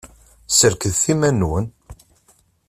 Serkdet iman-nwen!